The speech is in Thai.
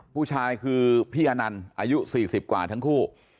ผู้ชายคือพี่อนันต์อายุ๔๐กว่าทั้งคู่